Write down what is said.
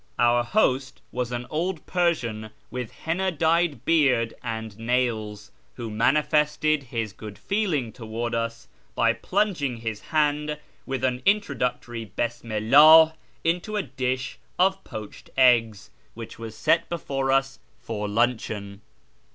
Our host was an old Persian with henna dyed beard and nails, who manifested his good feeling towards ns by plunging his hand, with an introductory " Bismi 'Udh" into the dish of poached eggs which was set before us for luncheon.